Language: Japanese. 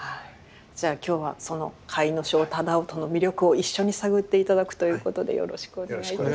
じゃあ今日はその甲斐荘楠音の魅力を一緒に探って頂くということでよろしくお願いいたします。